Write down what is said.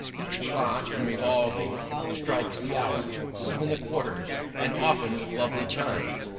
Each clock in revolving strikes the hour, even the quarters, and often with lovely chimes.